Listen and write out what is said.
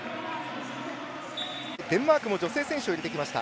デンマークも女性選手を入れてきました。